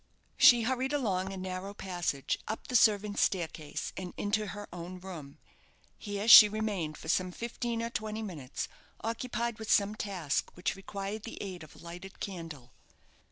She hurried along a narrow passage, up the servants' staircase, and into her own room. Here she remained for some fifteen or twenty minutes, occupied with some task which required the aid of a lighted candle.